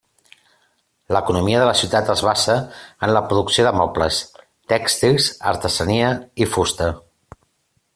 L'economia de la ciutat es basa en la producció de mobles, tèxtils, artesania i fusta.